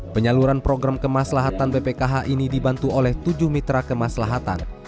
penyaluran program kemaslahatan bpkh ini dibantu oleh tujuh mitra kemaslahatan